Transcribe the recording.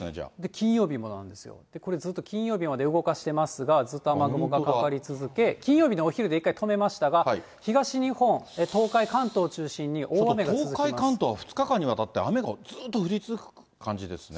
金曜日もなんですよ、金曜日までずっと動かしますが、ずっと雨雲がかかり続け、金曜日のお昼で一回止めましたが、東日本、東海、東海、関東は、２日間にわたって、雨がずっと降り続く感じですね。